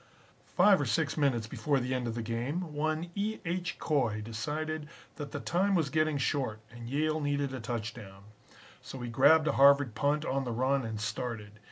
"Five or six minutes before the end of the game, one E. H. Coy decided that the time was getting short and Yale needed a touchdown. So he grabbed a Harvard punt on the run and started.